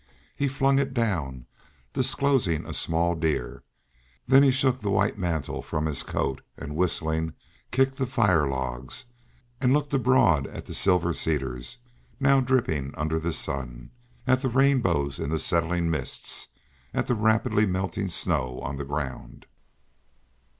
He flung it down, disclosing a small deer; then he shook the white mantle from his coat, and whistling, kicked the fire logs, and looked abroad at the silver cedars, now dripping under the sun, at the rainbows in the settling mists, at the rapidly melting snow on the ground.